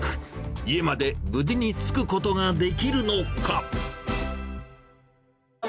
家まで無事に着くことができるのか。